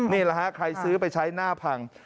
นี่แหละฮะใครซื้อไปใช้หน้าพัง